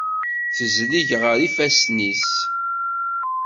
Tezleg ger ifassen-is.